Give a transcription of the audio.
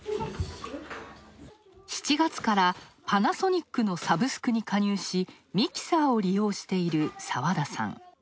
７月からパナソニックのサブスクに加入しミキサーを利用している澤田さん。